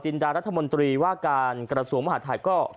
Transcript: จินดารัฐมนตรีว่าการกระสวมวัหถัดก็เตรียมพร้อมนะครับ